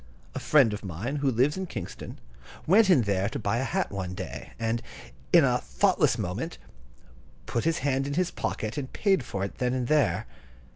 A friend of mine, who lives at Kingston, went in there to buy a hat one day, and, in a thoughtless moment, put his hand in his pocket and paid for it then and there.